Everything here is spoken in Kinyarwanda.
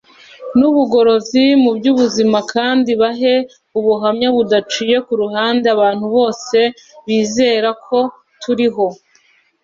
n'ubugorozi mu by'ubuzima kandi bahe ubuhamya budaciye ku ruhande abantu bose bizera ko turiho